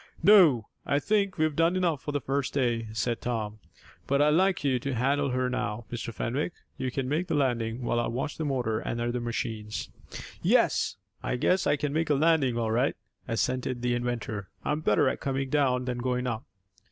"No, I think we've done enough for the first day," said Tom, "But I'd like you to handle her now, Mr. Fenwick. You can make the landing, while I watch the motor and other machines." "Yes. I guess I can make a landing all right," assented the inventor. "I'm better at coming down than going up."